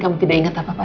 kamu tidak ingat apa apa